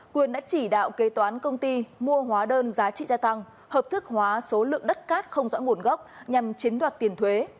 quyền đã chỉ đạo kế toán công ty mua hóa đơn giá trị gia tăng hợp thức hóa số lượng đất cát không rõ nguồn gốc nhằm chiếm đoạt tiền thuế